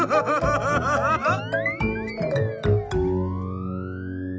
ハハハハハ！